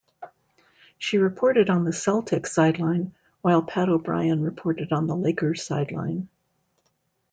She reported on the Celtics' sideline while Pat O'Brien reported on the Lakers' sideline.